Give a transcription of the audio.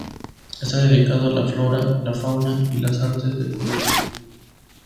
Está dedicado a la flora, la fauna y las artes de Burundi.